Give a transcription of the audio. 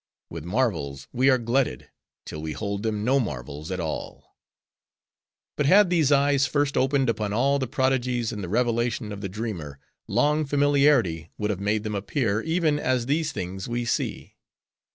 With marvels we are glutted, till we hold them no marvels at all. But had these eyes first opened upon all the prodigies in the Revelation of the Dreamer, long familiarity would have made them appear, even as these things we see.